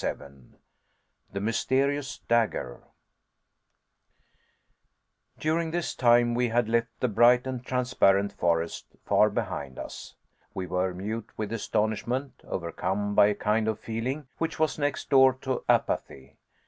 CHAPTER 37 THE MYSTERIOUS DAGGER During this time, we had left the bright and transparent forest far behind us. We were mute with astonishment, overcome by a kind of feeling which was next door to apathy.